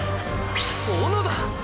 小野田！！